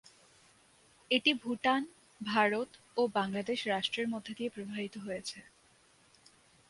এটি ভুটান, ভারত ও বাংলাদেশ রাষ্ট্রের মধ্যে দিয়ে প্রবাহিত হয়েছে।